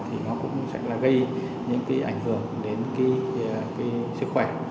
thì nó cũng sẽ là gây những cái ảnh hưởng đến cái sức khỏe